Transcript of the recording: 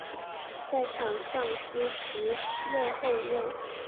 在场上司职右后卫。